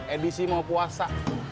edisi mau puasa